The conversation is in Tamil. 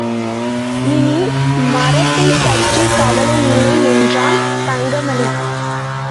இனி மரத்தைப்பற்றிக் கவலையில்லை என்றான் தங்கமணி.